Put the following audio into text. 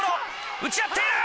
打ち合っている！